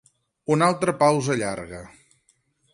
Una altra pausa llarga.